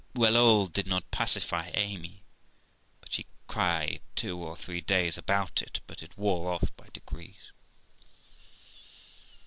Well, all did not pacify Amy, but she cried two or three days about it; but it wore off by degrees.